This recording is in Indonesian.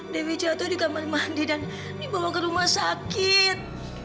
dewi jatuh di kamar mandi dan dibawa ke rumah sakit